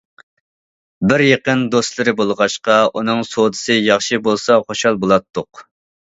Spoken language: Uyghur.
بىر يېقىن دوستلىرى بولغاچقا، ئۇنىڭ سودىسى ياخشى بولسا خۇشال بولاتتۇق.